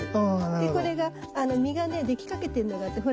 でこれが実がねできかけてんのがあってほら。